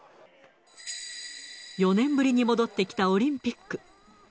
４年ぶりに戻ってきたオリンピック。